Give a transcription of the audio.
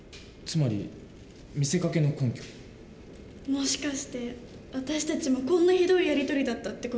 もしかして私たちもこんなひどいやり取りだったって事？